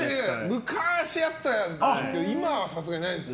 昔あったんですが今はさすがにないです。